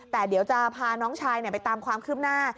แต่เดี๋ยวจะพาน้องชายไปตามความคืบหน้า